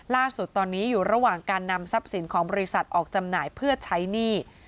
ล่าสุดตอนนี้อยู่ระหว่างการนำทรัพย์สินของบริษัทออกจำหน่ายเพื่อใช้หนี้